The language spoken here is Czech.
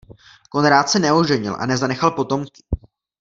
Konrad se neoženil a nezanechal potomky.